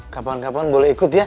kapangan kapangan boleh ikut ya